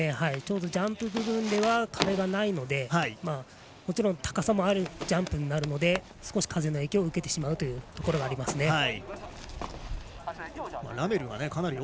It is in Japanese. ジャンプ部分では風はないのでもちろん高さもあるジャンプになるので少し風の影響を受けるところがありますね。